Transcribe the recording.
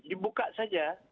jadi buka saja